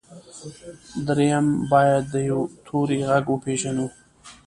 درېيم بايد د يوه توري غږ وپېژنو.